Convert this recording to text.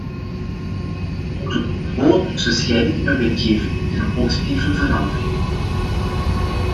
Ook de controle tussen scheiding en wetgeving is een positieve verandering.